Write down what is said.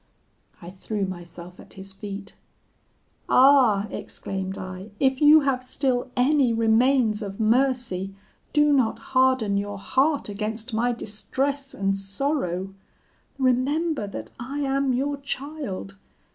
"I threw myself at his feet: 'Ah!' exclaimed I, 'if you have still any remains of mercy, do not harden your heart against my distress and sorrow. Remember that I am your child!